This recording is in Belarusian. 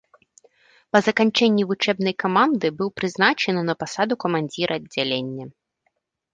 Па заканчэнні вучэбнай каманды быў прызначаны на пасаду камандзіра аддзялення.